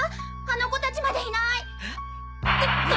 あの子達までいない！